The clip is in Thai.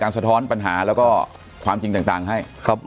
สะท้อนปัญหาแล้วก็ความจริงต่างให้ครับ